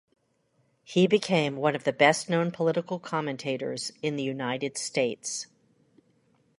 He became one of the best-known political commentators in the United States.